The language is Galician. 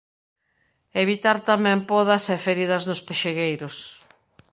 Evitar tamén podas e feridas nos pexegueiros.